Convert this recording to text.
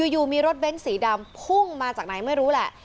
อยู่มีรถเบ้นสีดำพุ่งมาจากไหนไม่รู้แหละ